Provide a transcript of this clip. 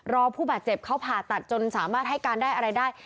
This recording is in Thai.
ผู้บาดเจ็บเขาผ่าตัดจนสามารถให้การได้อะไรได้